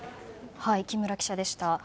木村記者でした。